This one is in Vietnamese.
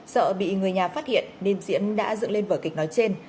sợ bị người nhà phát hiện nên diễn đã dựng lên vở kịch nói trên